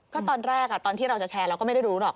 ก็ตอนแรกตอนที่เราจะแชร์เราก็ไม่ได้รู้หรอก